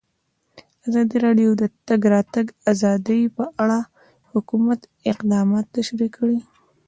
ازادي راډیو د د تګ راتګ ازادي په اړه د حکومت اقدامات تشریح کړي.